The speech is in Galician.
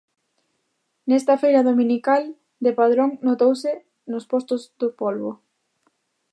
Nesta feira dominical de Padrón notouse nos postos do polbo.